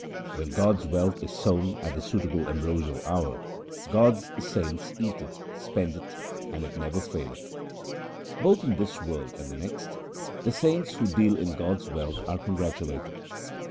When God's wealth is sown at the suitable ambrosial hour, God's saints eat it, spend it, and it never faileth. Both in this world and the next the saints who deal in God's wealth are congratulated.